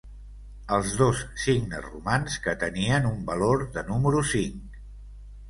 Els dos signes romans que tenien un valor de número cinc.